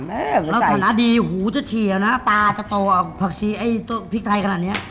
น้ำตาละดีหูจะเฉียวนะตาจะโตผักชีไอ้ต้นพริกไทยขนาดเนี้ย